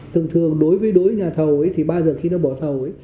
thường thường đối với đối với nhà thầu thì bao giờ khi nó bỏ thầu ấy